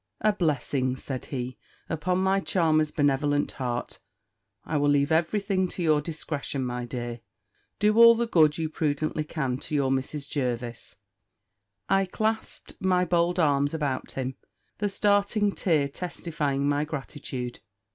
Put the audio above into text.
"A blessing," said he, "upon my charmer's benevolent heart! I will leave every thing to your discretion, my dear. Do all the good you prudently can to your Mrs. Jervis." I clasped my bold arms about him, the starting tear testifying my gratitude.